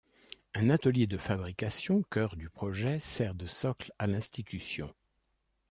Un atelier de fabrication, cœur du projet, sert de socle à l’institution.